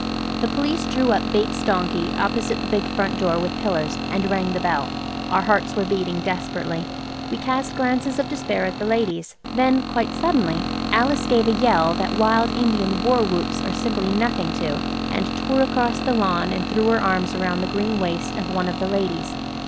The Police drew up Bates's donkey opposite the big front door with pillars, and rang the bell. Our hearts were beating desperately. We cast glances of despair at the ladies. Then, quite suddenly, Alice gave a yell that wild Indian war whoops are simply nothing to, and tore across the lawn and threw her arms round the green waist of one of the ladies.